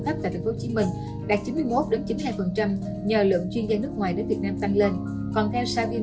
khách tại tp hcm đạt chín mươi một chín mươi hai nhờ lượng chuyên gia nước ngoài đến việt nam tăng lên còn theo savin